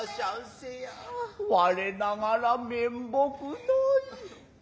われながら面目ない。